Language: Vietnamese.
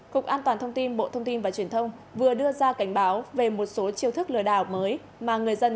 cục an toàn thông tin bộ thông tin và truyền thông vừa đưa ra cảnh báo về một số chiêu thức lừa đảo mới mà người dân